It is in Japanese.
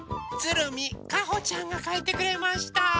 つるみかほちゃんがかいてくれました。